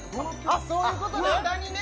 あっそういうことね